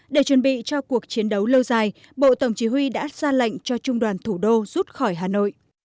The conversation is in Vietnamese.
để chuẩn bị cho cuộc chiến đấu lâu dài bộ tổng chỉ huy đã ra lệnh cho trung đoàn thủ đô rút khỏi hà nội